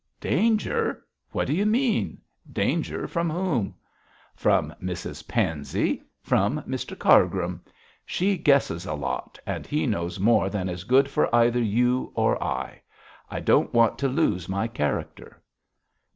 'Danger! What do you mean? Danger from whom?' 'From Mrs Pansey; from Mr Cargrim. She guesses a lot and he knows more than is good for either you or I. I don't want to lose my character.'